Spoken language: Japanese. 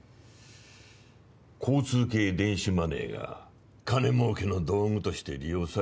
交通系電子マネーが金儲けの道具として利用され